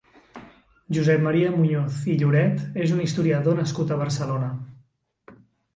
Josep Maria Muñoz i Lloret és un historiador nascut a Barcelona.